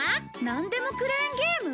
なんでもクレーンゲーム？